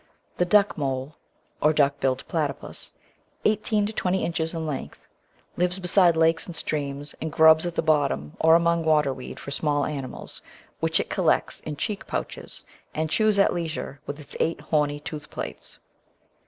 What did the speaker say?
The Duckmole, or Duck billed Platypus (18 20 inches in length) lives beside lakes and streams, and grubs at the bottom or among water weed for small animals, which it collects in cheek pouches and chews at leisure with its eight horny tooth plates.